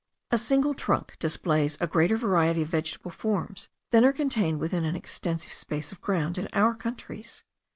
A single trunk displays a greater variety of vegetable forms than are contained within an extensive space of ground in our countries.